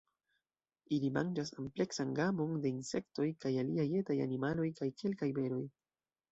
Ili manĝas ampleksan gamon de insektoj kaj aliaj etaj animaloj kaj kelkaj beroj.